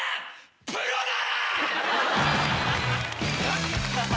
プロだ！